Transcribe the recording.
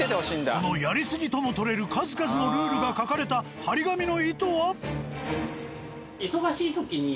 このやり過ぎともとれる数々のルールが書かれた張り紙の意図は？